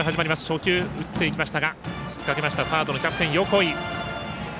初球打っていきましたが引っ掛けましたサードのキャプテン、横井。